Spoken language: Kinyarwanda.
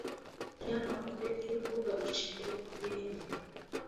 Icyamamare cyurubuga rushingiye kubirimo.